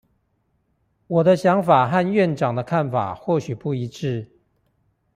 我的想法和院長的看法或許不一致